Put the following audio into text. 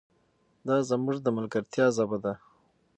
دا زموږ د ملګرتیا ژبه ده.